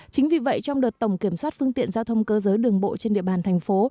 chính vì vậy trong đợt tổng kiểm soát phương tiện giao thông cơ giới đường bộ trên địa bàn thành phố